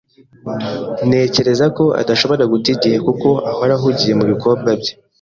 Ntekereza ko adashobora guta igihe kuko ahora ahugiye mubikorwa bye.